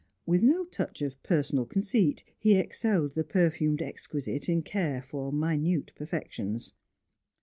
With no touch of personal conceit, he excelled the perfumed exquisite in care for minute perfections.